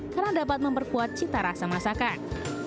karena dapat memperkuat cita rasa masakan